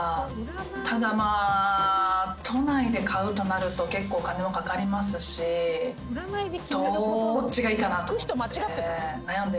ただまあ都内で買うとなると結構お金もかかりますしどっちがいいかなと思って悩んでるんです。